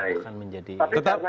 itu sudah selesai tapi karena